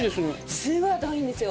すごい頭いいんですよ